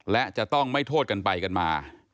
และจะต้องไม่โทษกันไปกันมา